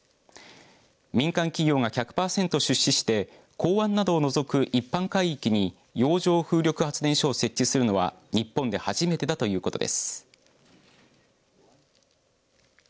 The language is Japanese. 民間企業が１００パーセント出資して港湾などを除く一般海域に洋上風力発電所を設置するのは日本で初めてだということです。